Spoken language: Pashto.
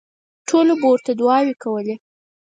ټولو به ورته دوعاوې کولې.